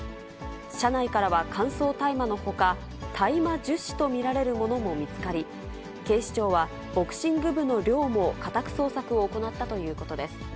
車内からは乾燥大麻のほか、大麻樹脂と見られるものも見つかり、警視庁はボクシング部の寮も家宅捜索を行ったということです。